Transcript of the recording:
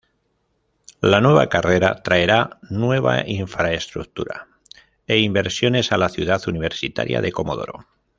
La nueva carrera traerá nueva infraestructura e inversiones a la ciudad universitaria de Comodoro.